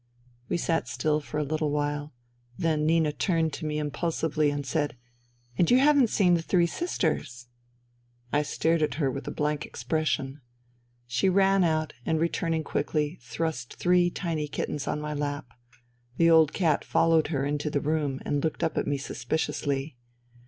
We sat still for a little while. Then Nina turned to me impulsively and said, " And you haven't seen the three sisters !" I stared at her with blank expression. She ran out, and returning quickly, thrust three tiny kittens on my lap. The old cat followed her into the room and looked up at me suspiciously.